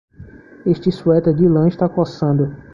Este suéter de lã está coçando.